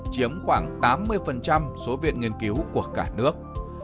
chiếm khoảng tám mươi số viện nghiên cứu của cả nước